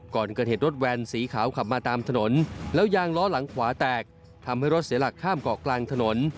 ก่อนเกิดเหตุรถแวนสีขาวขับมาตามถนนแล้วยางล้อหลังขวาแตกทำให้รถเสียหลักข้ามเกาะกลางถนน